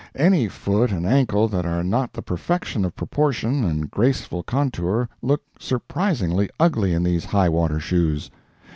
Any foot and ankle that are not the perfection of proportion and graceful contour look surpassingly ugly in these high water shoes.